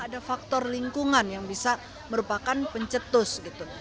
ada faktor lingkungan yang bisa merupakan pencetus gitu